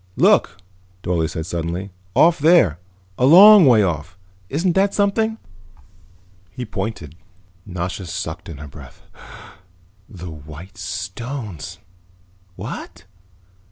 "Look," Dorle said suddenly. "Off there, a long way off. Isn't that something?" He pointed. Nasha sucked in her breath. "The white stones." "What?"